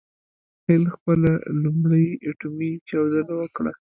هند خپله لومړۍ اټومي چاودنه وکړه.